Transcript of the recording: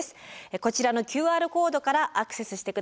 こちらのＱＲコードからアクセスして下さい。